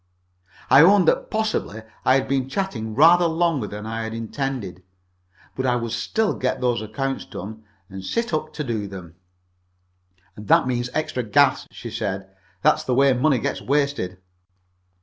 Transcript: I owned that possibly I had been chatting rather longer than I had intended, but I would still get those accounts done, and sit up to do them. "And that means extra gas," she said. "That's the way money gets wasted."